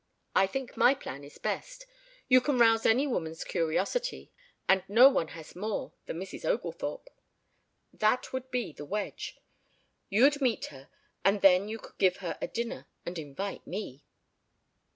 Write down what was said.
I think my plan is best. You can rouse any woman's curiosity, and no one has more than Mrs. Oglethorpe. That would be the wedge. You'd meet her and then you could give her a dinner and invite me."